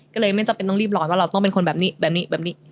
ก็เลยไม่จำเป็นต้องรีบร้อนว่าเราต้องเป็นคนแบบนี้แบบนี้แบบนี้